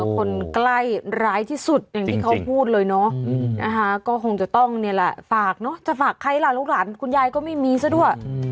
คนใกล้ร้ายที่สุดอย่างที่เขาพูดเลยเนาะก็คงจะต้องนี่แหละฝากเนอะจะฝากใครล่ะลูกหลานคุณยายก็ไม่มีซะด้วย